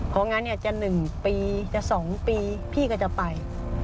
เพราะงั้นจะ๑ปีจะ๒ปีพี่ก็จะไป